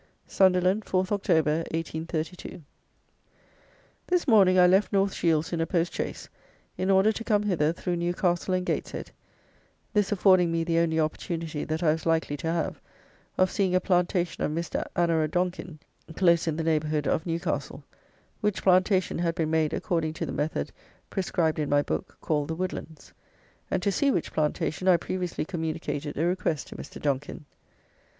Sunderland, 4th Oct., 1832. This morning I left North Shields in a post chaise, in order to come hither through Newcastle and Gateshead, this affording me the only opportunity that I was likely to have of seeing a plantation of Mr. Annorer Donkin, close in the neighbourhood of Newcastle; which plantation had been made according to the method prescribed in my book, called the "Woodlands;" and to see which plantation I previously communicated a request to Mr. Donkin.